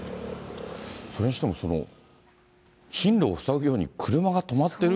それにしても、進路を塞ぐように車が止まってる？